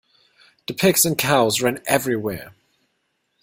The pigs and cows ran everywhere.